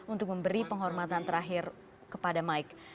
untuk memberi penghormatan terakhir kepada mike